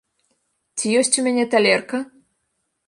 Ці ёсць у мяне талерка?